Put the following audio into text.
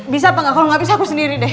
bisa apa gak kalo gak bisa aku sendiri deh